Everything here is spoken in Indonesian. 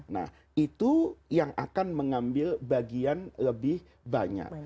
nah itu yang akan mengambil bagian lebih banyak